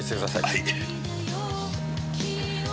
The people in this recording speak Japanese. はい。